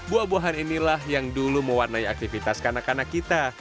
buah buahan inilah yang dulu mewarnai aktivitas kanak kanak kita